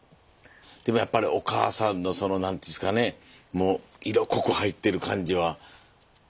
でもやっぱりお母さんのその何ていうんですかねもう色濃く入っている感じはしますよね。